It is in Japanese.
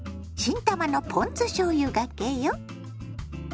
新たまのポン酢しょうゆがけよ。